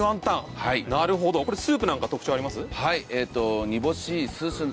スープなんか特徴あります？